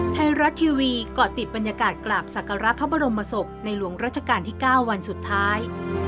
ไทยรัฐทีวีเกาะติดบรรยากาศกราบศักระพระบรมศพในหลวงรัชกาลที่๙วันสุดท้าย